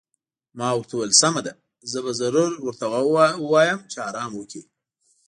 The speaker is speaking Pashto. ما ورته وویل: سمه ده، زه به ضرور ورته ووایم چې ارام وکړي.